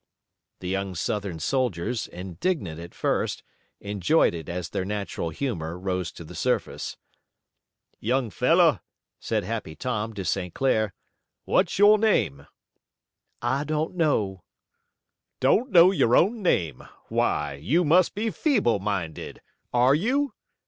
The young Southern soldiers, indignant at first, enjoyed it as their natural humor rose to the surface. "Young fellow," said Happy Tom to St. Clair, "what's your name?" "I don't know." "Don't know your own name. Why, you must be feeble minded! Are you?"